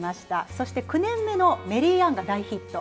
そして９年目のメリーアンが大ヒット。